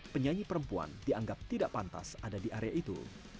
penyanyi perempuan dianggap tidak pantas ada di area itu